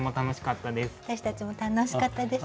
私たちも楽しかったです。